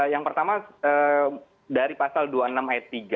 yang pertama dari pasal dua puluh enam ayat tiga